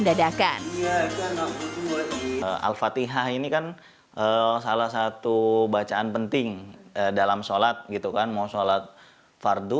dadakan al fatihah ini kan salah satu bacaan penting dalam sholat gitu kan mau sholat fardu